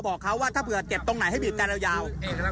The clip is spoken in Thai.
บอกเขาว่าถ้าเผื่อเก็บตรงไหนให้บีบกันยาว